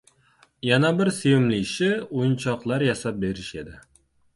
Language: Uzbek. Yana bir sevimli ishi – oʻyinchoqlar yasab berish edi.